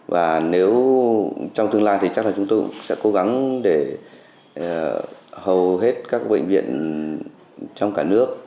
và nếu trong tương lai thì chắc là chúng tôi sẽ cố gắng để hầu hết các bệnh viện trong cả nước